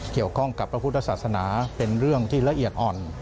เกี่ยวข้องกับพระพุทธศาสนาเป็นเรื่องที่ละเอียดอ่อน